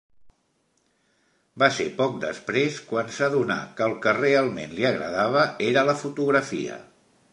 Va ser poc després quan s'adonà que el que realment li agradava era la fotografia.